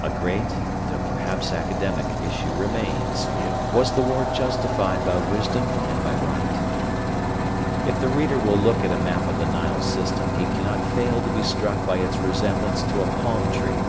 A great, though perhaps academic, issue remains: Was the war justified by wisdom and by right? If the reader will look at a map of the Nile system, he cannot fail to be struck by its resemblance to a palm tree.